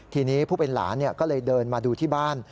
ทีนี้ผู้เป็นหลานก็เลยเดินมาดูที่บ้าน